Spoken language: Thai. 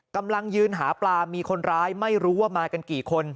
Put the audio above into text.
กำลังยืนหาปลามีคนร้ายไม่รู้ว่ามากันกี่คน